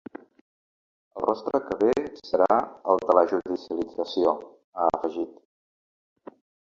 El rostre que ve serà el de la judicialització, ha afegit.